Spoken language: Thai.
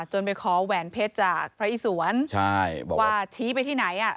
จนไปขอแหวนเพชรจากพระอิสวรรค์ว่าชี้ไปที่ไหนอ่ะ